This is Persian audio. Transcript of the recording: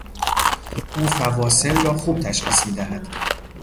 او فواصل را خوب تشخیص میدهد.